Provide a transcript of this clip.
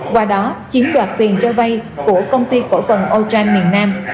qua đó chiếm đoạt tiền cho vay của công ty cổ phần ultran miền nam